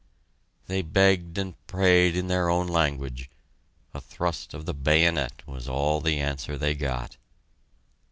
They begged and prayed in their own language; a thrust of the bayonet was all the answer they got.